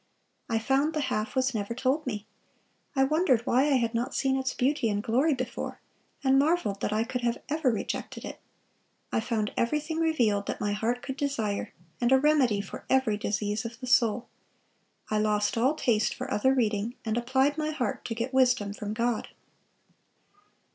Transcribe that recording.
I found the half was never told me. I wondered why I had not seen its beauty and glory before, and marveled that I could have ever rejected it. I found everything revealed that my heart could desire, and a remedy for every disease of the soul. I lost all taste for other reading, and applied my heart to get wisdom from God."